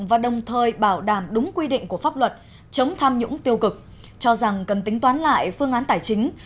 và đồng thời bảo đảm đúng quy định của pháp luật chống tham nhũng tiêu cực cho rằng cần tính toán lại phương án tài chính